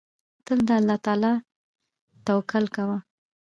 تل پر الله تعالی توکل کوه.